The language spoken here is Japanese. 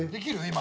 今。